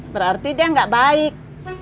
berarti dia nggak baik